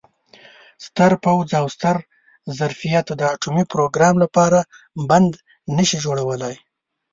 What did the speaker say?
ستر پوځ او ستر ظرفیت د اټومي پروګرام لپاره بند نه شي جوړولای.